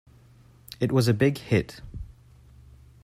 It was a big hit.